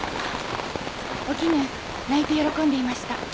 お絹泣いて喜んでいました。